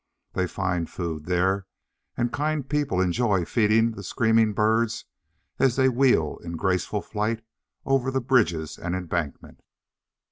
They find food there, and kind people enjoy feeding the screaming birds as they wheel in graceful flight over the bridges and Embankment.